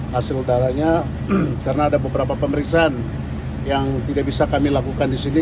hasil darahnya karena ada beberapa pemeriksaan yang tidak bisa kami lakukan di sini